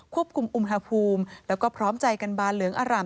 ควบคุมอุณหภูมิแล้วก็พร้อมใจกันบานเหลืองอร่าม